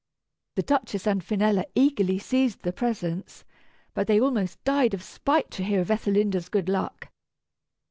The Duchess and Finella eagerly seized the presents, but they almost died of spite to hear of Ethelinda's good luck.